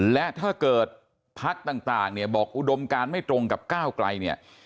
และถ้าเกิดภักดิ์ต่างบอกอุดมการไม่ตรงกับก้าวกลายเนี่ย